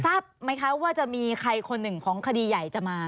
ทราบไหมคะว่าจะมีใครคนหนึ่งของคดีใหญ่จะมา